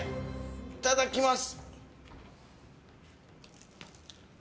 いただきます。